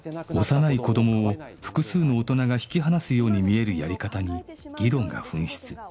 幼い子どもを複数の大人が引き離すように見えるやり方に議論が噴出